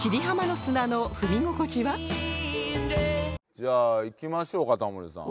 じゃあいきましょうかタモリさん。